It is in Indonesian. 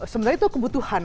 sebenarnya itu kebutuhan